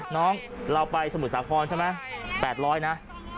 น้องเราไปสมุทรสาครใช่ไหม๘๐๐นะ